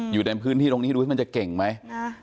อยู่ในพื้นที่ตรงนี้ดูสิมันจะเก่งไหม